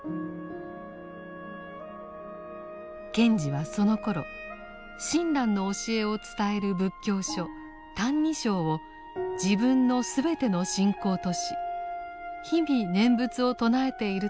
賢治はそのころ親鸞の教えを伝える仏教書「歎異抄」を自分の全ての信仰とし日々念仏を称えているとつづっています。